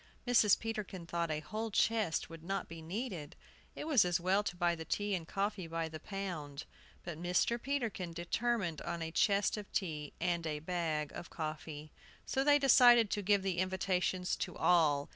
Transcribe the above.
Mrs. Peterkin thought a whole chest would not be needed: it was as well to buy the tea and coffee by the pound. But Mr. Peterkin determined on a chest of tea and a bag of coffee. So they decided to give the invitations to all.